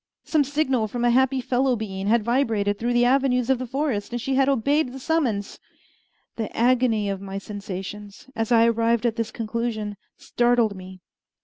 Some signal from a happy fellow being had vibrated through the avenues of the forest, and she had obeyed the summons. The agony of my sensations, as I arrived at this conclusion, startled me.